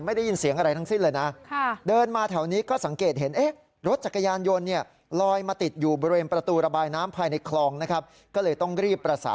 ได้ยินเสียงอะไรทั้งสิ้นเลยนะ